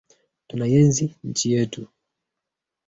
Tunaienzi nchi yetu.